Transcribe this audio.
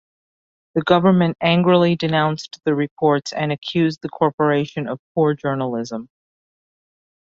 The government angrily denounced the reports and accused the corporation of poor journalism.